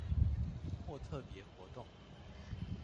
或特別活動